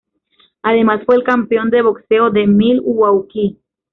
Además, fue el campeón de boxeo de Milwaukee.